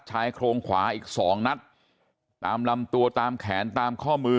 ชายโครงขวาอีกสองนัดตามลำตัวตามแขนตามข้อมือ